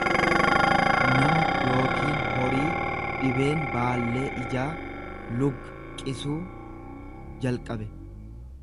nama yookiin horii dhibeen baallee ijaa lugqisuu jalqabe.